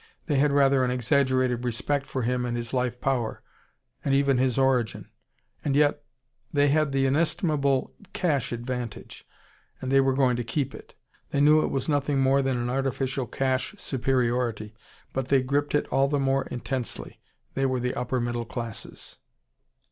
They had rather an exaggerated respect for him and his life power, and even his origin. And yet they had the inestimable cash advantage and they were going to keep it. They knew it was nothing more than an artificial cash superiority. But they gripped it all the more intensely. They were the upper middle classes.